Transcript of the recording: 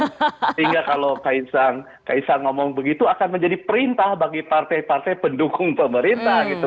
sehingga kalau kaisang ngomong begitu akan menjadi perintah bagi partai partai pendukung pemerintah gitu